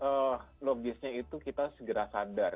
memang sih logisnya itu kita segera sadar